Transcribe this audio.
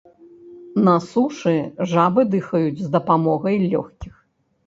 На сушы жабы дыхаюць з дапамогай лёгкіх.